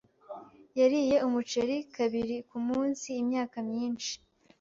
Yariye umuceri kabiri kumunsi imyaka myinshi.